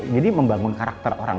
jadi membangun karakter orang